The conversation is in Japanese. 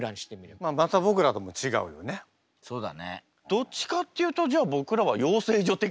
どっちかっていうとじゃあ僕らは養成所的な感じ。